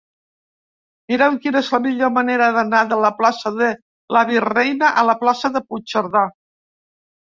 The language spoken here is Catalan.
Mira'm quina és la millor manera d'anar de la plaça de la Virreina a la plaça de Puigcerdà.